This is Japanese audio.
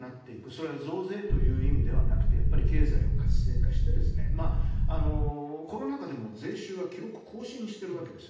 それは増税という意味ではなくて経済を活性化してコロナ禍でも税収は記録更新しているわけです。